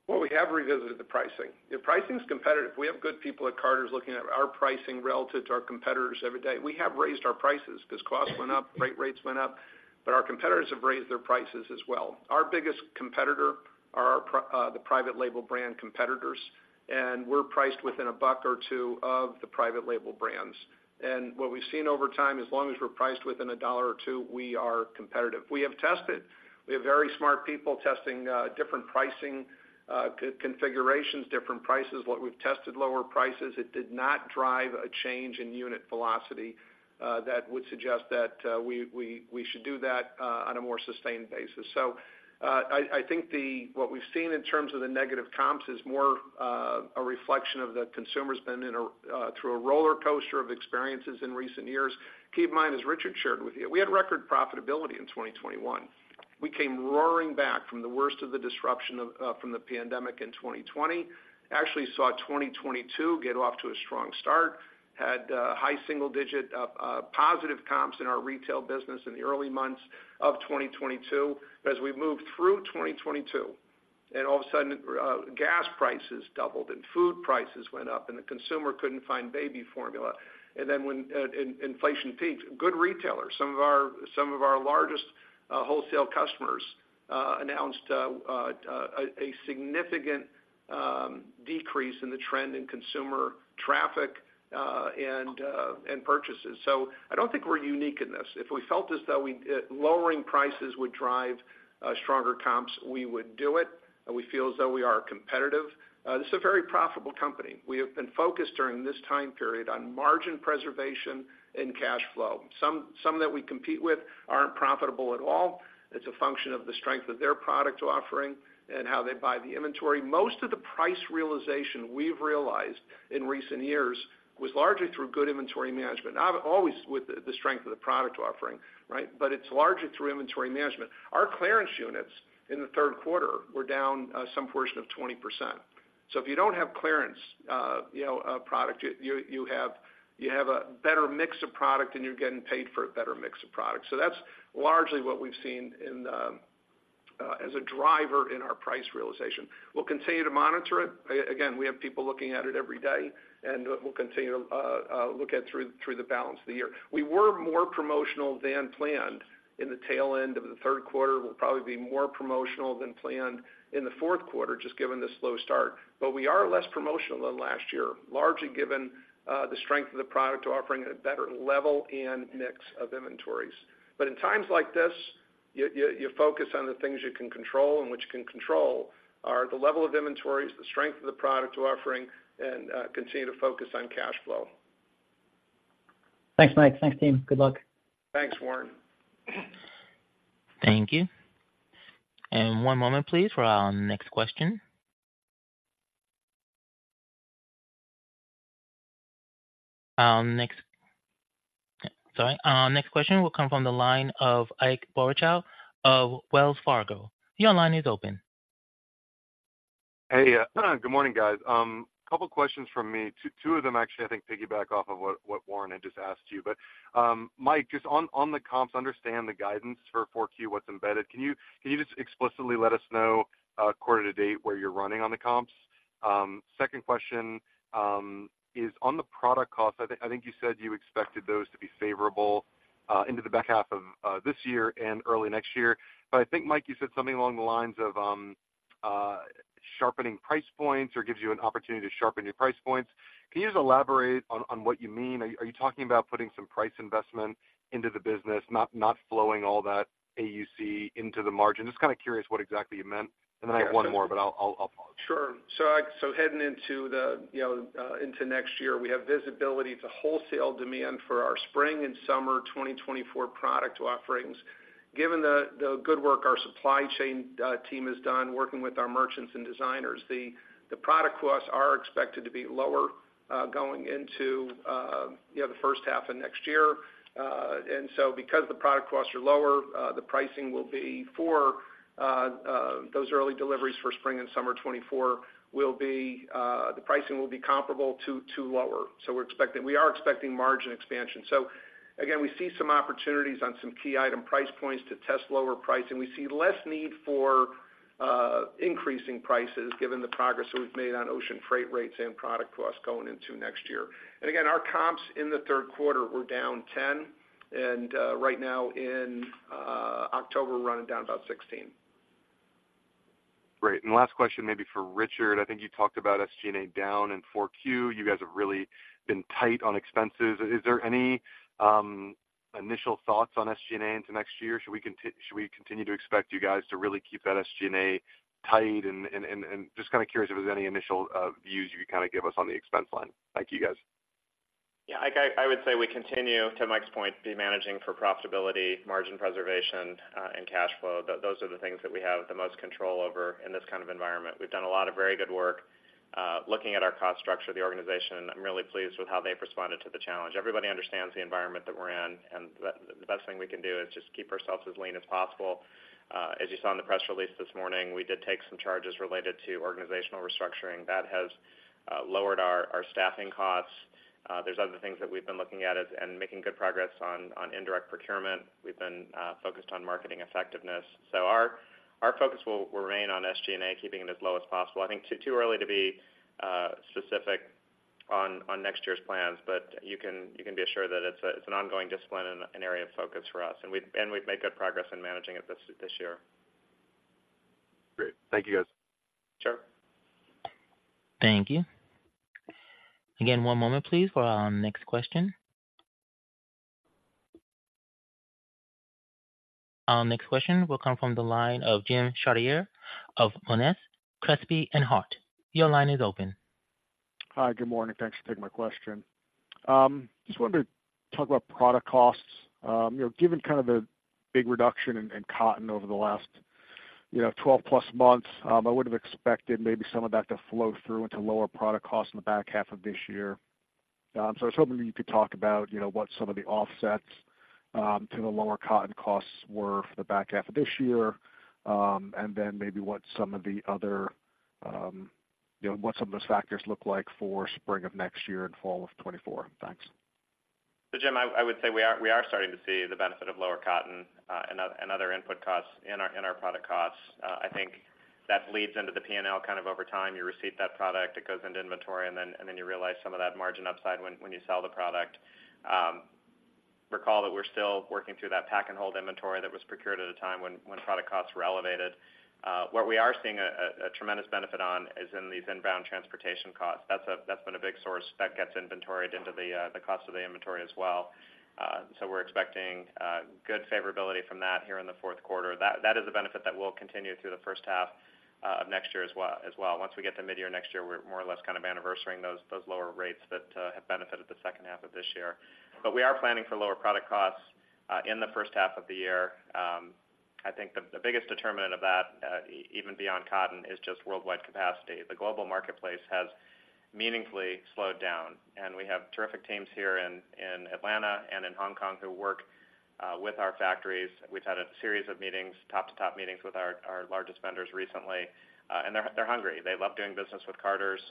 S2: Well, we have revisited the pricing. The pricing is competitive. We have good people at Carter's looking at our pricing relative to our competitors every day. We have raised our prices because costs went up, rates went up, but our competitors have raised their prices as well. Our biggest competitor are our private label brand competitors, and we're priced within a buck or two of the private label brands. What we've seen over time, as long as we're priced within a dollar or two, we are competitive. We have tested. We have very smart people testing different pricing configurations, different prices. What we've tested, lower prices did not drive a change in unit velocity that would suggest that we should do that on a more sustained basis. So, I think what we've seen in terms of the negative comps is more a reflection of the consumer's been through a roller coaster of experiences in recent years. Keep in mind, as Richard shared with you, we had record profitability in 2021. We came roaring back from the worst of the disruption of from the pandemic in 2020. Actually saw 2022 get off to a strong start, had high single digit positive comps in our retail business in the early months of 2022. As we moved through 2022, and all of a sudden, gas prices doubled and food prices went up, and the consumer couldn't find baby formula. And then when inflation peaks, good retailers, some of our largest wholesale customers announced a significant decrease in the trend in consumer traffic and purchases. So I don't think we're unique in this. If we felt as though we lowering prices would drive stronger comps, we would do it, and we feel as though we are competitive. This is a very profitable company. We have been focused during this time period on margin preservation and cash flow. Some that we compete with aren't profitable at all. It's a function of the strength of their product offering and how they buy the inventory. Most of the price realization we've realized in recent years was largely through good inventory management, not always with the strength of the product offering, right? But it's largely through inventory management. Our clearance units in the third quarter were down some portion of 20%. So if you don't have clearance, you know, a product, you have a better mix of product and you're getting paid for a better mix of product. So that's largely what we've seen in the, as a driver in our price realization. We'll continue to monitor it. Again, we have people looking at it every day, and we'll continue to look at it through the balance of the year. We were more promotional than planned in the tail end of the third quarter. We'll probably be more promotional than planned in the fourth quarter, just given the slow start. But we are less promotional than last year, largely given the strength of the product offering at a better level and mix of inventories. But in times like this, you focus on the things you can control, and what you can control are the level of inventories, the strength of the product we're offering, and continue to focus on cash flow.
S4: Thanks, Mike. Thanks, team. Good luck.
S2: Thanks, Warren.
S1: Thank you. One moment, please, for our next question. Sorry, our next question will come from the line of Ike Boruchow of Wells Fargo. Your line is open.
S5: Hey, good morning, guys. Couple questions from me. Two of them actually, I think, piggyback off of what Warren had just asked you. But, Mike, just on the comps, understand the guidance for 4Q, what's embedded. Can you just explicitly let us know quarter to date where you're running on the comps? Second question is on the product costs. I think you said you expected those to be favorable into the back half of this year and early next year. But I think, Mike, you said something along the lines of sharpening price points or gives you an opportunity to sharpen your price points. Can you just elaborate on what you mean? Are you talking about putting some price investment into the business, not flowing all that AUC into the margin? Just kind of curious what exactly you meant. Then I have one more, but I'll pause.
S2: Sure. So heading into the, you know, into next year, we have visibility to wholesale demand for our spring and summer 2024 product offerings. Given the good work our supply chain team has done working with our merchants and designers, the product costs are expected to be lower, going into, you know, the first half of next year. And so because the product costs are lower, the pricing will be for those early deliveries for spring and summer 2024, will be the pricing will be comparable to lower. So we're expecting margin expansion. So again, we see some opportunities on some key item price points to test lower pricing. We see less need for increasing prices, given the progress that we've made on ocean freight rates and product costs going into next year. And again, our comps in the third quarter were down 10, and right now in October, we're running down about 16.
S5: Great. And last question, maybe for Richard. I think you talked about SG&A down in 4Q. You guys have really been tight on expenses. Is there any initial thoughts on SG&A into next year? Should we continue to expect you guys to really keep that SG&A tight? And just kind of curious if there's any initial views you could kind of give us on the expense line. Thank you, guys.
S3: Yeah, Ike, I would say we continue, to Mike's point, be managing for profitability, margin preservation, and cash flow. Those are the things that we have the most control over in this kind of environment. We've done a lot of very good work looking at our cost structure of the organization. I'm really pleased with how they've responded to the challenge. Everybody understands the environment that we're in, and the best thing we can do is just keep ourselves as lean as possible. As you saw in the press release this morning, we did take some charges related to organizational restructuring. That has lowered our staffing costs. There's other things that we've been looking at as and making good progress on, on indirect procurement. We've been focused on marketing effectiveness. So our focus will remain on SG&A, keeping it as low as possible. I think too early to be specific on next year's plans, but you can be assured that it's an ongoing discipline and an area of focus for us, and we've made good progress in managing it this year.
S5: Great. Thank you, guys.
S3: Sure.
S1: Thank you. Again, one moment, please, for our next question. Our next question will come from the line of Jim Chartier of Monness, Crespi and Hardt. Your line is open.
S6: Hi, good morning. Thanks for taking my question. Just wanted to talk about product costs. You know, given kind of the big reduction in cotton over the last, you know, 12+ months, I would have expected maybe some of that to flow through into lower product costs in the back half of this year. So I was hoping you could talk about, you know, what some of the offsets to the lower cotton costs were for the back half of this year, and then maybe what some of the other, you know, what some of those factors look like for spring of next year and fall of 2024. Thanks.
S3: So, Jim, I would say we are starting to see the benefit of lower cotton and other input costs in our product costs. I think that leads into the P&L kind of over time. You receive that product, it goes into inventory, and then you realize some of that margin upside when you sell the product. Recall that we're still working through that pack-and-hold inventory that was procured at a time when product costs were elevated. What we are seeing a tremendous benefit on is in these inbound transportation costs. That's been a big source that gets inventoried into the cost of the inventory as well. So we're expecting good favorability from that here in the fourth quarter. That is a benefit that will continue through the first half of next year as well. Once we get to midyear next year, we're more or less kind of anniversarying those lower rates that have benefited the second half of this year. But we are planning for lower product costs in the first half of the year. I think the biggest determinant of that, even beyond cotton, is just worldwide capacity. The global marketplace has meaningfully slowed down, and we have terrific teams here in Atlanta and in Hong Kong who work with our factories. We've had a series of meetings, top-to-top meetings with our largest vendors recently, and they're hungry. They love doing business with Carter's.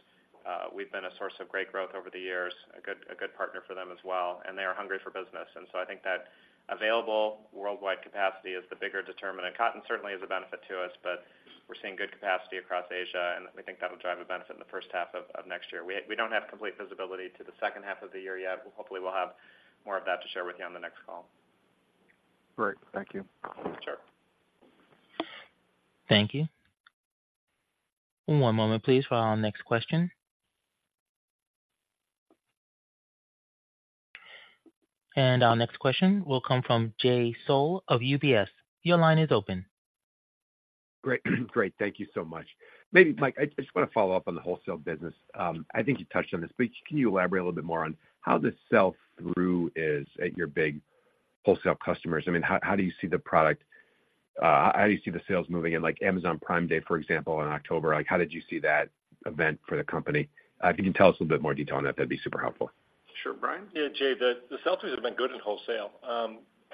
S3: We've been a source of great growth over the years, a good partner for them as well, and they are hungry for business. And so I think that available worldwide capacity is the bigger determinant. Cotton certainly is a benefit to us, but we're seeing good capacity across Asia, and we think that'll drive a benefit in the first half of next year. We don't have complete visibility to the second half of the year yet, but hopefully, we'll have more of that to share with you on the next call.
S6: Great. Thank you.
S3: Sure.
S1: Thank you. One moment, please, for our next question. And our next question will come from Jay Sole of UBS. Your line is open.
S7: Great. Great. Thank you so much. Maybe, Mike, I just want to follow up on the wholesale business. I think you touched on this, but can you elaborate a little bit more on how the sell-through is at your big wholesale customers? I mean, how, how do you see the product, how do you see the sales moving in, like Amazon Prime Day, for example, in October? Like, how did you see that event for the company? If you can tell us a little bit more detail on that, that'd be super helpful.
S2: Sure, Brian?
S8: Yeah, Jay, the sell-throughs have been good in wholesale.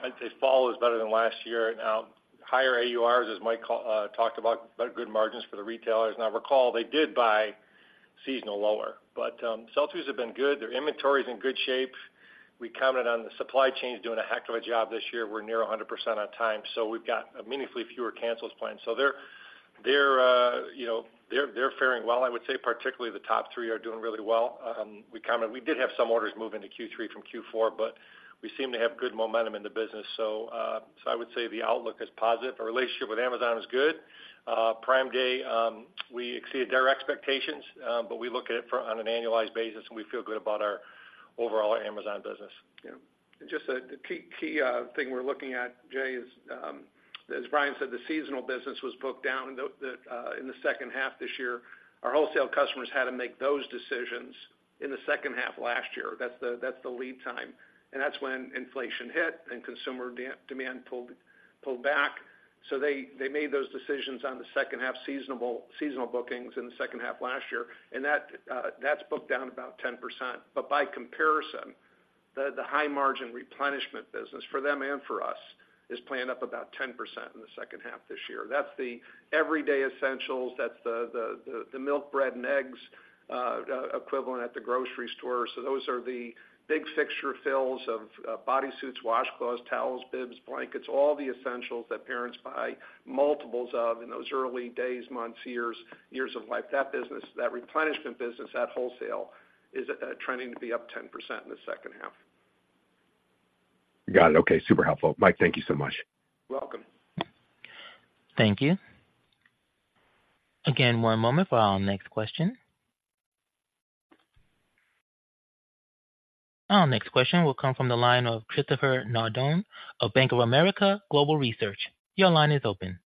S8: As fall is better than last year, now, higher AURs, as Mike talked about, good margins for the retailers. Now, recall, they did buy seasonal lower, but sell-throughs have been good. Their inventory is in good shape. We commented on the supply chains doing a heck of a job this year. We're near 100% on time, so we've got a meaningfully fewer cancels planned. So they're, you know, they're faring well. I would say, particularly the top three are doing really well. We commented - we did have some orders move into Q3 from Q4, but we seem to have good momentum in the business. So, so I would say the outlook is positive. Our relationship with Amazon is good. Prime Day, we exceeded our expectations, but we look at it for on an annualized basis, and we feel good about our overall Amazon business.
S2: Yeah, just the key thing we're looking at, Jay, is, as Brian said, the seasonal business was booked down in the second half this year. Our wholesale customers had to make those decisions in the second half last year. That's the lead time, and that's when inflation hit and consumer demand pulled back. So they made those decisions on the second half seasonal bookings in the second half last year, and that's booked down about 10%. But by comparison, the high margin replenishment business for them and for us is planned up about 10% in the second half this year. That's the everyday essentials, that's the milk, bread, and eggs equivalent at the grocery store. So those are the big fixture fills of bodysuits, washcloths, towels, bibs, blankets, all the essentials that parents buy multiples of in those early days, months, years, years of life. That business, that replenishment business, that wholesale is trending to be up 10% in the second half.
S7: Got it. Okay, super helpful. Mike, thank you so much.
S2: Welcome.
S1: Thank you. Again, one moment for our next question. Our next question will come from the line of Christopher Nardone of Bank of America Global Research. Your line is open.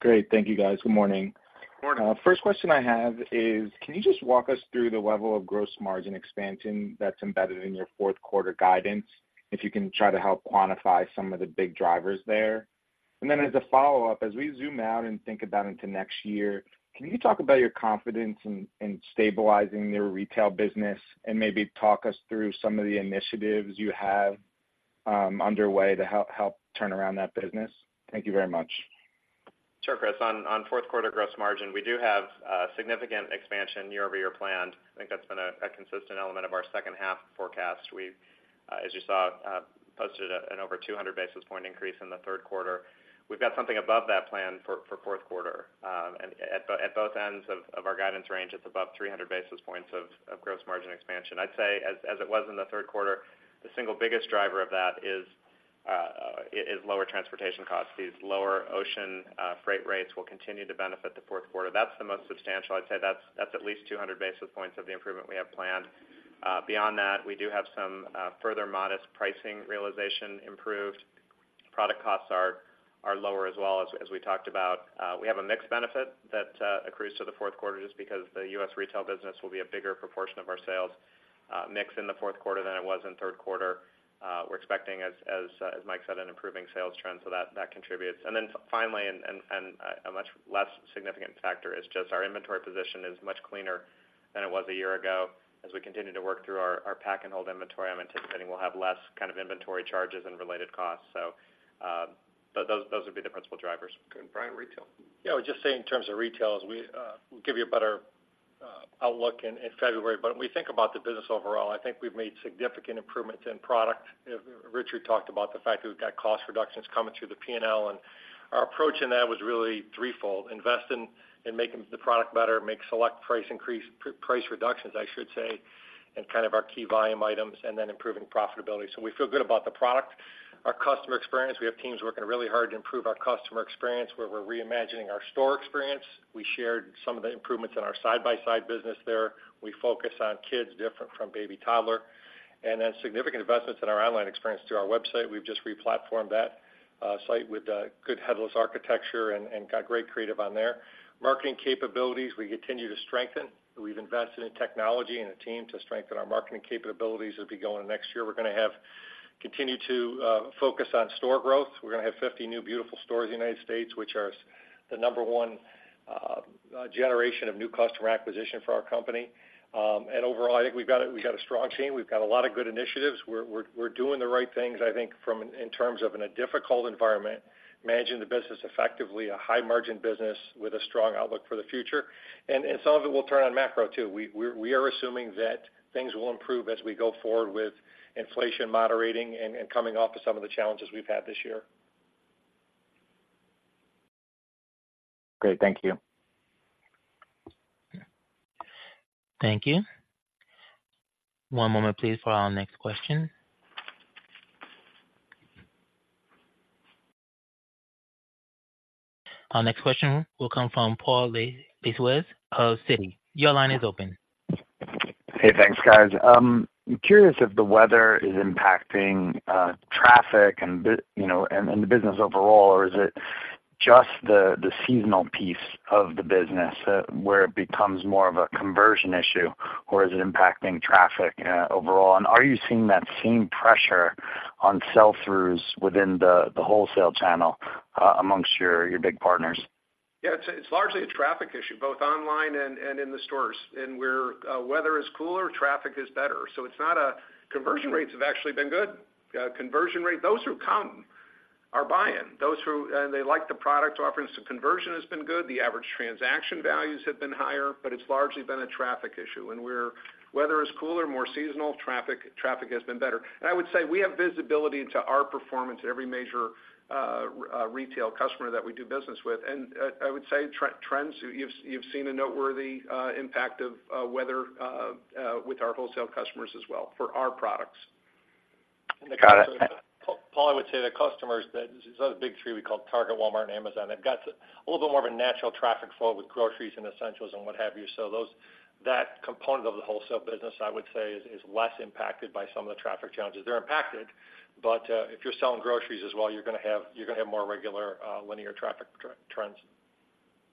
S9: Great. Thank you, guys. Good morning.
S2: Good morning.
S9: First question I have is, can you just walk us through the level of gross margin expansion that's embedded in your fourth quarter guidance, if you can try to help quantify some of the big drivers there? And then as a follow-up, as we zoom out and think about into next year, can you talk about your confidence in stabilizing your retail business and maybe talk us through some of the initiatives you have underway to help turn around that business? Thank you very much.
S3: Sure, Chris. On fourth quarter gross margin, we do have significant expansion year-over-year planned. I think that's been a consistent element of our second half forecast. We've, as you saw, posted an over 200 basis point increase in the third quarter. We've got something above that plan for fourth quarter. At both ends of our guidance range, it's above 300 basis points of gross margin expansion. I'd say as it was in the third quarter, the single biggest driver of that is lower transportation costs. These lower ocean freight rates will continue to benefit the fourth quarter. That's the most substantial. I'd say that's at least 200 basis points of the improvement we have planned. Beyond that, we do have some further modest pricing realization, improved. Product costs are lower as well as we talked about. We have a mixed benefit that accrues to the fourth quarter, just because the U.S. retail business will be a bigger proportion of our sales mix in the fourth quarter than it was in third quarter. We're expecting, as Mike said, an improving sales trend, so that contributes. And then finally, and a much less significant factor is just our inventory position is much cleaner than it was a year ago. As we continue to work through our pack and hold inventory, I'm anticipating we'll have less kind of inventory charges and related costs. So, those would be the principal drivers.
S2: Good. Brian, retail?
S8: Yeah, I would just say in terms of retail, we will give you a better outlook in February. But when we think about the business overall, I think we've made significant improvements in product. Richard talked about the fact that we've got cost reductions coming through the P&L, and our approach in that was really threefold: invest in making the product better, make select price reductions, I should say, in kind of our key volume items, and then improving profitability. So we feel good about the product. Our customer experience, we have teams working really hard to improve our customer experience, where we're reimagining our store experience. We shared some of the improvements in our side-by-side business there. We focus on kids different from baby, toddler, and then significant investments in our online experience through our website. We've just re-platformed that site with good headless architecture and got great creative on there. Marketing capabilities, we continue to strengthen. We've invested in technology and a team to strengthen our marketing capabilities. It'll be going next year. We're gonna continue to focus on store growth. We're gonna have 50 new beautiful stores in the United States, which are the number one generation of new customer acquisition for our company. And overall, I think we've got a strong team. We've got a lot of good initiatives. We're doing the right things, I think from in terms of in a difficult environment, managing the business effectively, a high margin business with a strong outlook for the future. And some of it will turn on macro too. We are assuming that things will improve as we go forward with inflation moderating and coming off of some of the challenges we've had this year.
S9: Great. Thank you.
S1: Thank you. One moment, please, for our next question. Our next question will come from Paul Lejuez of Citi. Your line is open.
S10: Hey, thanks, guys. I'm curious if the weather is impacting traffic and you know, and the business overall, or is it just the seasonal piece of the business, where it becomes more of a conversion issue, or is it impacting traffic overall? And are you seeing that same pressure on sell-throughs within the wholesale channel, amongst your big partners?
S2: Yeah, it's, it's largely a traffic issue, both online and, and in the stores. And where weather is cooler, traffic is better. So it's not a conversion rates have actually been good. Conversion rate, those who come are buying. Those who they like the product offerings, the conversion has been good. The average transaction values have been higher, but it's largely been a traffic issue. And where weather is cooler, more seasonal, traffic, traffic has been better. And I would say we have visibility into our performance in every major retail customer that we do business with. And I would say trends, you've seen a noteworthy impact of weather with our wholesale customers as well for our products.
S10: Got it.
S8: Paul, I would say the customers, the other big three we call Target, Walmart, and Amazon, they've got a little bit more of a natural traffic flow with groceries and essentials and what have you. So that component of the wholesale business, I would say, is less impacted by some of the traffic challenges. They're impacted, but if you're selling groceries as well, you're gonna have, you're gonna have more regular, linear traffic trends.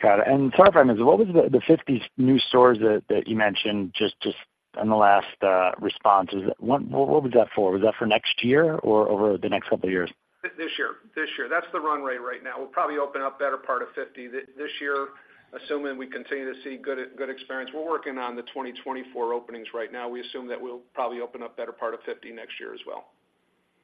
S10: Got it. And sorry if I missed, what was the 50 new stores that you mentioned just on the last response? Is what was that for? Was that for next year or over the next couple of years?
S2: This year, this year. That's the run rate right now. We'll probably open up better part of 50 this year, assuming we continue to see good experience. We're working on the 2024 openings right now. We assume that we'll probably open up better part of 50 next year as well.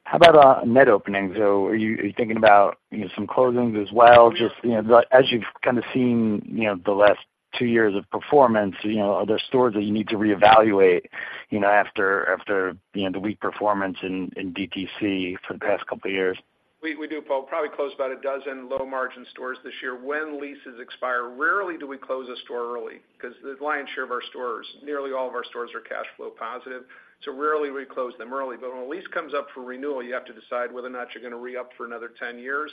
S10: How about net openings, though? Are you thinking about, you know, some closings as well? Just, you know, as you've kind of seen, you know, the last two years of performance, you know, are there stores that you need to reevaluate, you know, after, you know, the weak performance in DTC for the past couple of years?
S2: We do, Paul. Probably close about 12 low-margin stores this year when leases expire. Rarely do we close a store early because the lion's share of our stores, nearly all of our stores, are cash flow positive, so rarely we close them early. But when a lease comes up for renewal, you have to decide whether or not you're going to re-up for another 10 years.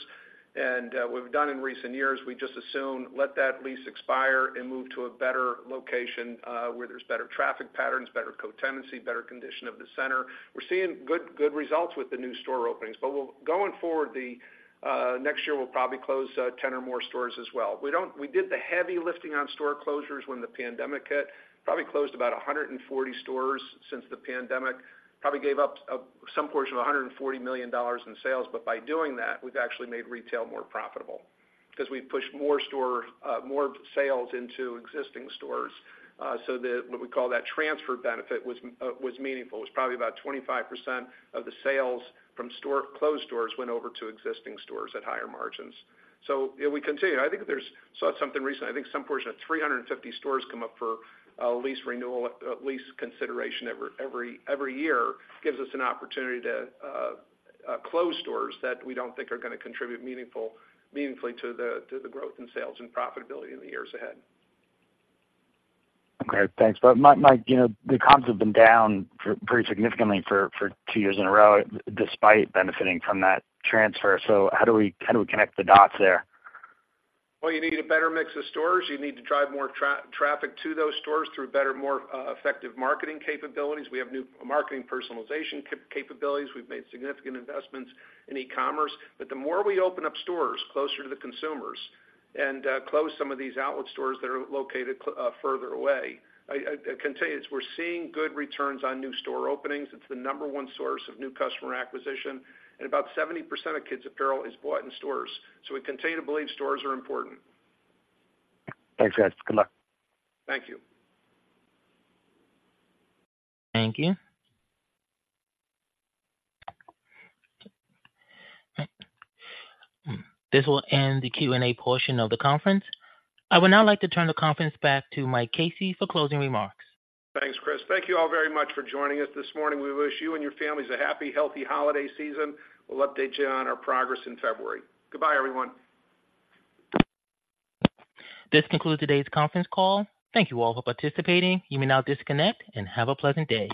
S2: And what we've done in recent years, we just assume, let that lease expire and move to a better location where there's better traffic patterns, better co-tenancy, better condition of the center. We're seeing good, good results with the new store openings, but we'll going forward, the next year, we'll probably close 10 or more stores as well. We did the heavy lifting on store closures when the pandemic hit, probably closed about 140 stores since the pandemic. Probably gave up some portion of $140 million in sales, but by doing that, we've actually made retail more profitable because we've pushed more sales into existing stores. So, what we call that transfer benefit was meaningful. It was probably about 25% of the sales from closed stores went over to existing stores at higher margins. So, yeah, we continue. I think there's, saw something recent. I think some portion of 350 stores come up for a lease renewal, a lease consideration every year, gives us an opportunity to close stores that we don't think are gonna contribute meaningfully to the growth in sales and profitability in the years ahead.
S10: Okay, thanks. But Mike, you know, the comps have been down pretty significantly for two years in a row, despite benefiting from that transfer. So how do we connect the dots there?
S2: Well, you need a better mix of stores. You need to drive more traffic to those stores through better, more effective marketing capabilities. We have new marketing personalization capabilities. We've made significant investments in e-commerce. But the more we open up stores closer to the consumers and close some of these outlet stores that are located further away, I can tell you is we're seeing good returns on new store openings. It's the number one source of new customer acquisition, and about 70% of kids' apparel is bought in stores. So we continue to believe stores are important.
S10: Thanks, guys. Good luck.
S2: Thank you.
S1: Thank you. This will end the Q&A portion of the conference. I would now like to turn the conference back to Mike Casey for closing remarks.
S2: Thanks, Chris. Thank you all very much for joining us this morning. We wish you and your families a happy, healthy holiday season. We'll update you on our progress in February. Goodbye, everyone.
S1: This concludes today's conference call. Thank you all for participating. You may now disconnect and have a pleasant day.